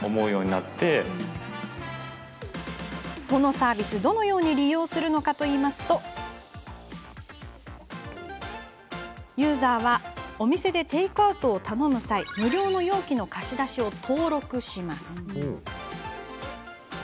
このサービス、どのように利用するのかといいますとユーザーはお店でテイクアウトを頼む際無料の容器の貸し出しを登録します。